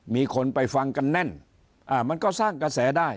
มีคนไปฟังกันแน่นมันก็สร้างกระแสได้